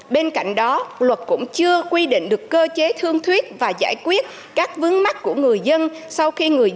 bên cạnh đó luật cũng chưa quy định được cơ chế thương thuyết và giải quyết các vấn mắc của người dân